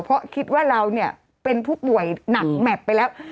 เพราะคิดว่าเราเนี่ยเป็นผู้ป่วยหนักแมพไปแล้ว